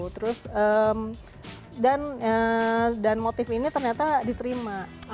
terus dan motif ini ternyata diterima